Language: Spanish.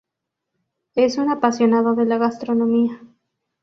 Es un apasionado de la gastronomía.